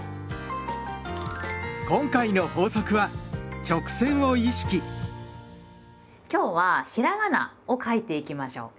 今回の法則は今日はひらがなを書いていきましょう。